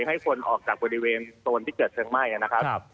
ให้คนออกจากบริเวณโซนที่เกิดเพลิงไหม้นะครับ